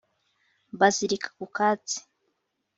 mbazirika ku katsi